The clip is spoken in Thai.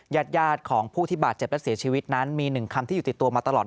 ญาติของผู้ที่บาดเจ็บและเสียชีวิตนั้นมีหนึ่งคำที่อยู่ติดตัวมาตลอด